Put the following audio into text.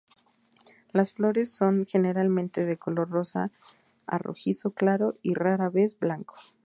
Las flores son generalmente de color rosa a rojizo claro y rara vez blanco.